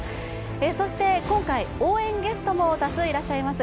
そして今回、応援ゲストも多数いらっしゃいます。